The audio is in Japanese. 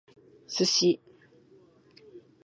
Sushi